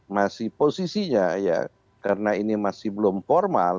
masih posisinya ya karena ini masih belum formal